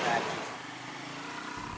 sebelumnya kpk secara tersebut